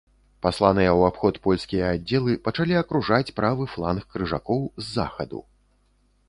Пасланыя ў абход польскія аддзелы пачалі акружаць правы фланг крыжакоў з захаду.